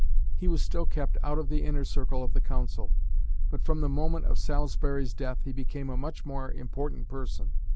He was still kept out of the inner circle of the Council; but from the moment of Salisbury's death he became a much more important person.